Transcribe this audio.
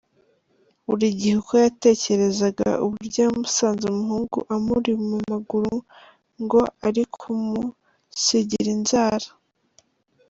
Buri gihe uko yatekerezaga uburyo yamusanze umuhungu amuri mu maguru ngo ari kumusigira inzara.